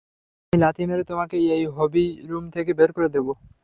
আমি লাথি মেরে তোমাকে এই হবি রুম থেকে বের করে দেবো!